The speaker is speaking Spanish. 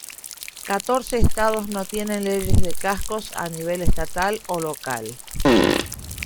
Catorce estados no tienen leyes de cascos a nivel estatal o local.